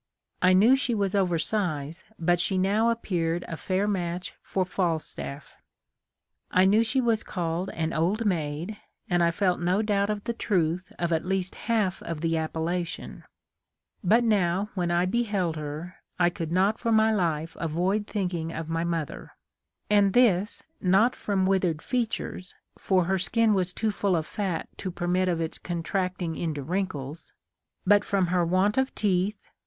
I knew she was over size, but she now appeared a fair match for Falstaff. I knew she was called an ' old maid,' and I felt no doubt of the truth of at least half of the appellation ; but now, when I beheld her, I eould not for my life avoid thinking of my mother ; and this, not from withered features, for her skin was too full of fat to permit of its contract ing into wrinkles, but from her want of teeth, THE LIFE OF LINCOLN.